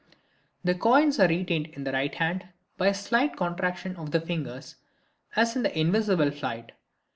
The coins are retained in the right hand by a slight contraction of the fingers, as in "The Invisible Flight."